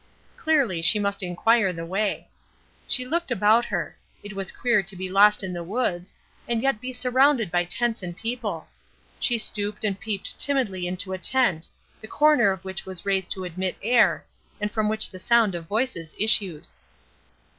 Clearly she must inquire the way. She looked about her. It was queer to be lost in the woods, and yet be surrounded by tents and people. She stooped and peeped timidly into a tent, the corner of which was raised to admit air, and from which the sound of voices issued.